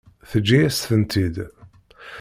Teǧǧa-yas-tent-id.